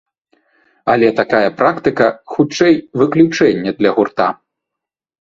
Але такая практыка, хутчэй, выключэнне для гурта.